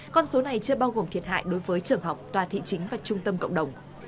con số này chưa bao gồm thiệt hại đối với trường học tòa thị chính và trung tâm cộng đồng